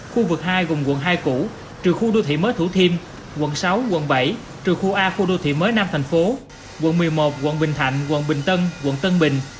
khu vực hai gồm quận hai cũ trừ khu đô thị mới thủ thiêm quận sáu quận bảy trừ khu a khu đô thị mới nam thành phố quận một mươi một quận bình thạnh quận bình tân quận tân bình